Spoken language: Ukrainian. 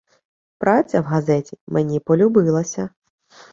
Праця в газеті мені полюбилася